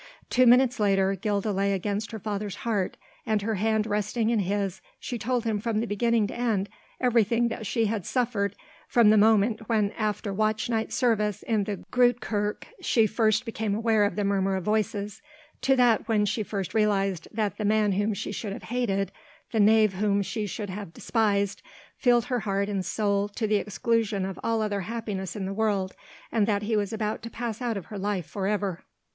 Two minutes later Gilda lay against her father's heart, and her hand resting in his she told him from beginning to end everything that she had suffered from the moment when after watch night service in the Groote Kerk she first became aware of the murmur of voices, to that when she first realized that the man whom she should have hated, the knave whom she should have despised, filled her heart and soul to the exclusion of all other happiness in the world, and that he was about to pass out of her life for ever.